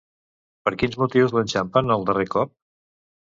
Per quins motius l'enxamparen el darrer cop?